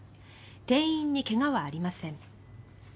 店員に怪我はありません。